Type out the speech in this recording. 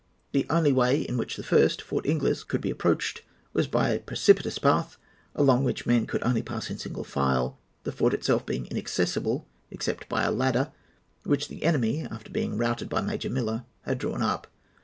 The only way in which the first, Fort Ingles, could be approached, was by a precipitous path, along which the men could only pass in single file, the fort itself being inaccessible except by a ladder, which the enemy, after being routed by Major Miller, had drawn up.